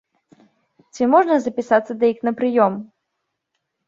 Ці можна запісацца да іх на прыём?